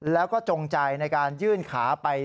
แล้วก็จงใจในการยื่นขาไป